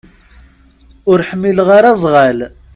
Ur ḥmileɣ ara azɣal.